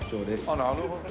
あっなるほど。